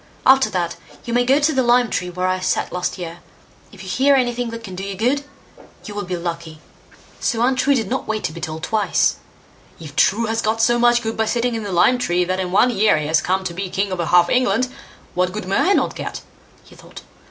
After that, you may go to the lime tree where I sat last year; if you hear anything that can do you good, you will be lucky." So Untrue did not wait to be told twice. "If True has got so much good by sitting in the lime tree, that in one year he has come to be king over half England, what good may not I get", he thought.